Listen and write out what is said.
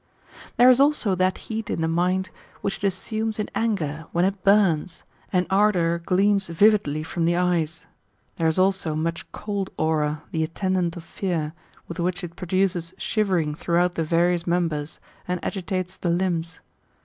There is also that heat in the mind, which it assumes in anger, when it bums, and ardour gleams vividly from the eyes. There is also much cold aura^ the attendant of fear, with which it produces shivering throughout the various mem bers, and agitates the limbs.